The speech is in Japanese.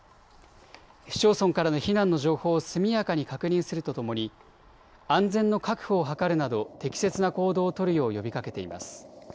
市町村からの避難の情報を速やかに確認するとともに安全の確保を図るなど適切な行動を取るよう呼びかけています。